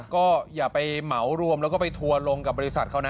ก็อย่าไปเหมารวมแล้วก็ไปทัวร์ลงกับบริษัทเขานะ